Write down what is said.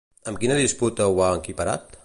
Amb quina disputa ho ha equiparat?